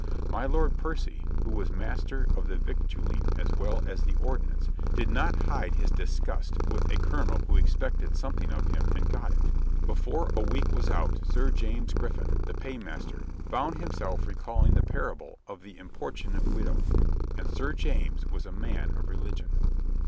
My Lord Percy, who was master of the victualling as well as the ordnance, did not hide his disgust with a colonel who expected something of him and got it. Before a week was out. Sir James Griffin, the paymaster, found himself recalling the parable of the impor INGEMINATING PEACE 155 tunate widow. And Sir James was a man of re ligion.